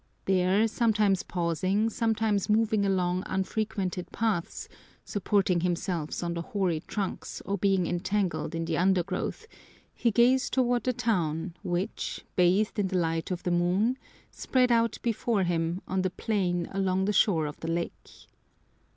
There, sometimes pausing, sometimes moving along unfrequented paths, supporting himself on the hoary trunks or being entangled in the undergrowth, he gazed toward the town, which, bathed in the light of the moon, spread out before him on the plain along the shore of the lake.